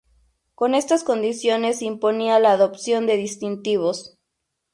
Con estas condiciones se imponía la adopción de distintivos.